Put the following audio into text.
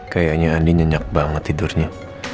kayaknya andi nyenyak banget tidurnya